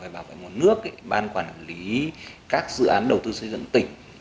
bảo vệ nguồn nước ban quản lý các dự án đầu tư xây dựng tỉnh